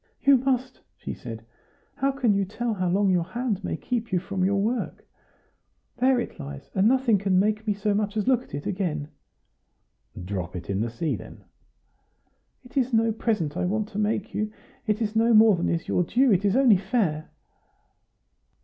"You must," she said; "how can you tell how long your hand may keep you from your work? There it lies; and nothing can make me so much as look at it again." "Drop it in the sea, then." "It is no present I want to make you; it is no more than is your due; it is only fair."